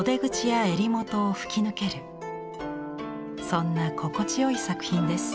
そんな心地よい作品です。